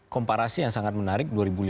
komparasi yang sangat menarik